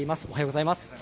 おはようございます。